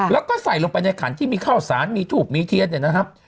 แล้วก็ใส่ลงไปในขันที่มีข้าวสารมีทูบมีเทียนเนี่ยนะครับ